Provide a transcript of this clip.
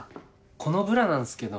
このブラなんすけど。